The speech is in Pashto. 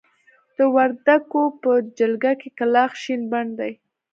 د وردکو په جلګه کې کلاخ شين بڼ دی.